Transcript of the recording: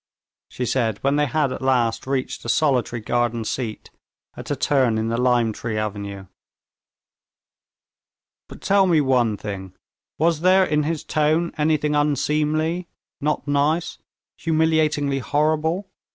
she said, when they had at last reached a solitary garden seat at a turn in the lime tree avenue. "But tell me one thing: was there in his tone anything unseemly, not nice, humiliatingly horrible?"